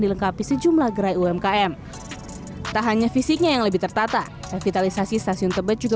dilengkapi sejumlah gerai umkm tak hanya fisiknya yang lebih tertata revitalisasi stasiun tebet juga